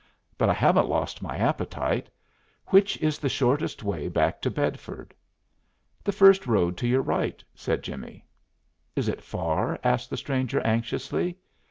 But I haven't lost my appetite. Which is the shortest way back to Bedford?" "The first road to your right," said Jimmie. "Is it far?" asked the stranger anxiously.